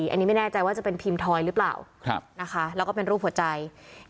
อันนี้ไม่แน่ใจว่าจะเป็นพิมพ์ทอยหรือเปล่านะคะแล้วก็เป็นรูปหัวใจ